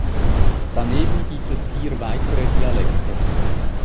Daneben gibt es vier weitere Dialekte.